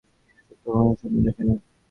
সত্য কখনও স্বপ্ন দেখে না।